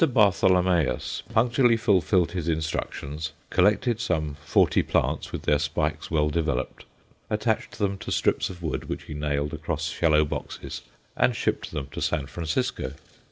Bartholomeus punctually fulfilled his instructions, collected some forty plants with their spikes well developed; attached them to strips of wood which he nailed across shallow boxes, and shipped them to San Francisco.